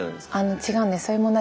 違うんです